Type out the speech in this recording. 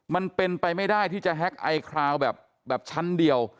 มันเป็นไปไม่ได้ที่จะแฮ็กไอคราวแบบชั้นเดียว